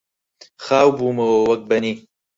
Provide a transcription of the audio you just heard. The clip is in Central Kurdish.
خاو بوومەوە وەک بەنی